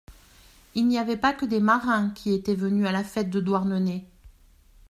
Il n’y avait pas que des marins qui étaient venus à la fête de Douarnenez.